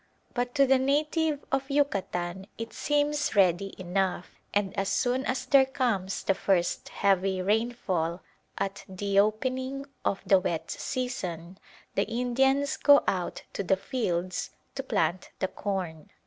But to the native of Yucatan it seems ready enough, and as soon as there comes the first heavy rainfall at the opening of the wet season, the Indians go out to the fields to plant the corn.